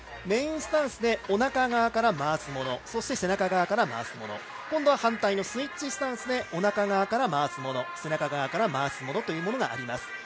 メインスタンスでおなか側から回すものそして背中側から回すもの今度は反対のスイッチスタンスでおなか側から回すもの、背中側から回すものというのがあります。